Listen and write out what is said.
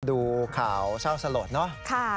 ดูข่าวเช่าสลดเนอะ